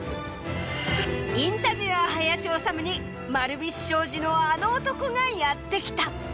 「インタビュアー林修」に丸菱商事のあの男がやって来た。